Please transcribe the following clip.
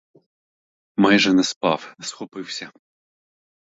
Майже не спав, схопився.